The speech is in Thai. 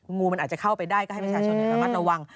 งูมันอาจจะเข้าไปได้ก็ให้ประชาชนระมัดระวัง